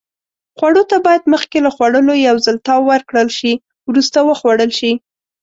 خوړو ته باید مخکې له خوړلو یو ځل تاو ورکړل شي. وروسته وخوړل شي.